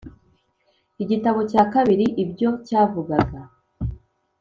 igitabo cya kabiri ibyo cya vugaga